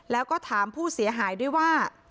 แล้วก็ถามผู้เสียหายด้วยว่า